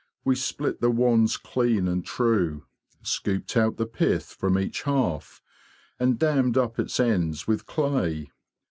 We split the wands clean and true, scooped out the pith from each half, and dammed up its ends with clay.